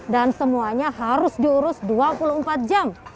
dan semuanya harus diurus dua puluh empat jam